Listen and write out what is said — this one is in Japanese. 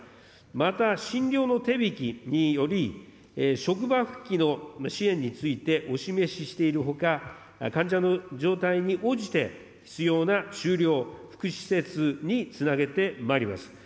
また、診療の手引により、職場復帰の支援についてお示ししているほか、患者の状態に応じて、必要な、福祉施設につなげてまいります。